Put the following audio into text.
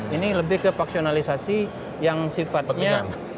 ini lebih ke paksionalisasi yang sifatnya